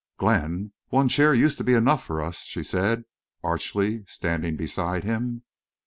"Glenn, one chair used to be enough for us," she said, archly, standing beside him.